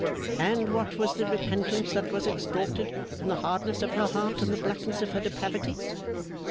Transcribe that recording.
'And what was the repentance that was extorted from the hardness of her heart and the blackness of her depravity?